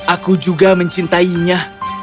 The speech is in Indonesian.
aku juga mencintainya